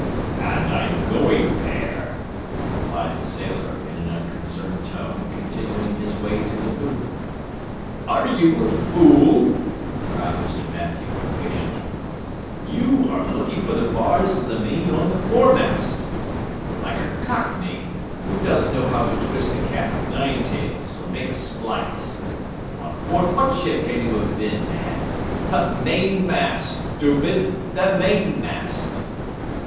"And I am going there," replied the sailor, in an ununconcerned tone, continuing his way to the poop. "Are you a fool?" cried Mr. Mathew, impatiently; "you are looking for the bars of the main on the foremast. You are like a cockney, who doesn't know how to twist a cat o' nine tails, or make a splice. On board what ship can you have been, man? The mainmast, stupid, the mainmast!"